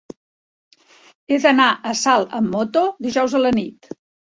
He d'anar a Salt amb moto dijous a la nit.